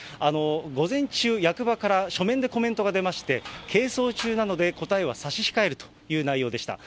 午前中、役場から書面でコメントが出まして、係争中なので答えは差し控えるという内容でした。